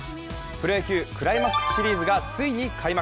プロ野球、クライマックスシリーズがついに開幕。